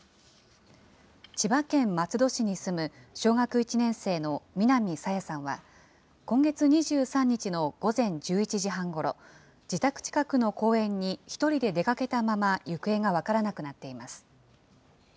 千葉県松戸市に住む小学１年生の南朝芽さんは、今月２３日の午前１１時半ごろ、自宅近くの公園に１人で出かけたまま、行方が分からなくなっています。